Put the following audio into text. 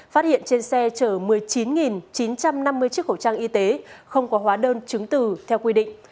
phát hiện trên xe chở một mươi chín chín trăm năm mươi chiếc khẩu trang y tế không có hóa đơn chứng từ theo quy định